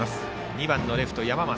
２番のレフト、山増。